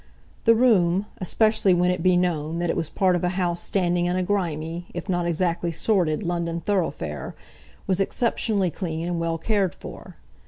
The room, especially when it be known that it was part of a house standing in a grimy, if not exactly sordid, London thoroughfare, was exceptionally clean and well cared for.